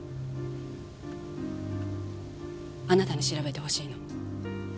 あなたに調べてほしいの。